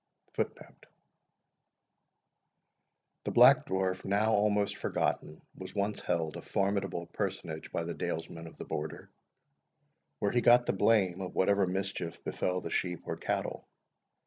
[The Black Dwarf, now almost forgotten, was once held a formidable personage by the dalesmen of the Border, where he got the blame of whatever mischief befell the sheep or cattle.